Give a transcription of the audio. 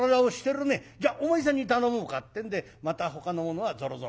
じゃあお前さんに頼もうか」ってんでまたほかの者はぞろぞろ。